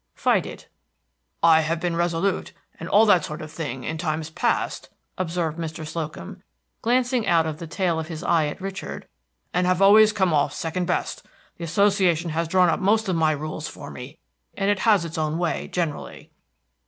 "Fight it." "I have been resolute, and all that sort of thing, in times past," observed Mr. Slocum, glancing out of the tail of his eye at Richard, "and have always come off second best. The Association has drawn up most of my rules for me, and had its own way generally."